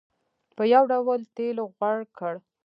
په یو ډول تېلو غوړ کړ.